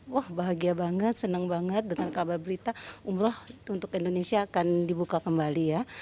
wah bahagia banget senang banget dengan kabar berita umroh untuk indonesia akan dibuka kembali ya